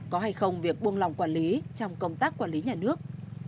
có hay không việc buông lòng quản lý trong công tác quản lý nhà nước